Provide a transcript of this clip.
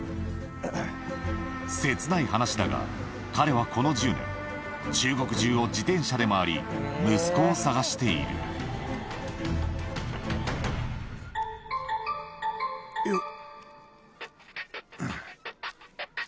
切ない話だが彼はこの１０年中国じゅうを自転車で回り息子を捜しているよっ。